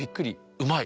うまい。